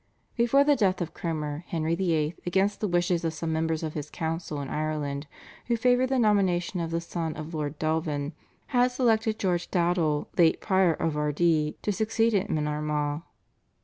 Before the death of Cromer Henry VIII., against the wishes of some members of his council in Ireland, who favoured the nomination of the son of Lord Delvin, had selected George Dowdall, late prior of Ardee, to succeed him in Armagh.